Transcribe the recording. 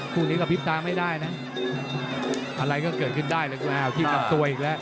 คู่นี้กระพริบตาไม่ได้นะอะไรก็เกิดขึ้นได้เลยคุณแมวที่ลำตัวอีกแล้ว